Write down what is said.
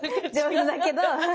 上手だけど。